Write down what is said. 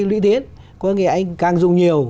lĩnh viết có nghĩa là anh càng dùng nhiều